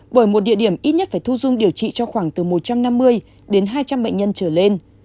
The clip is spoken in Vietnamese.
bởi một địa điểm ít nhất phải thu dung điều trị cho khoảng từ một trăm năm mươi đến hai trăm linh bệnh nhân trở lên